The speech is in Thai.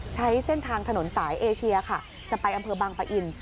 ใช้เส้นทางถนนสายเอเชียค่ะจะไปอำเภอบางปะอิน